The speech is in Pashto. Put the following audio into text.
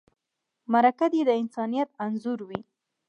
مرکه دې د انسانیت انځور وي.